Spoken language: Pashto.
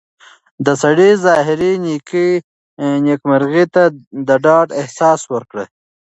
د سړي ظاهري نېکۍ مرغۍ ته د ډاډ احساس ورکړ.